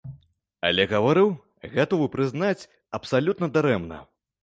Але гаварыў, гатовы прызнаць, абсалютна дарэмна.